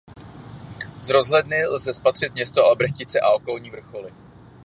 Z rozhledny lze spatřit Město Albrechtice a okolní vrcholy.